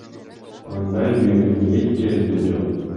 Мындай дүйнөнүн эч жеринде жок.